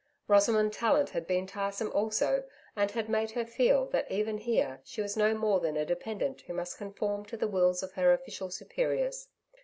Rosamond Tallant had been tiresome also and had made her feel that even here she was no more than a dependent who must conform to the wills of her official superiors.